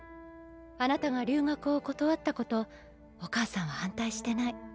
あなたが留学を断ったことお母さんは反対してない。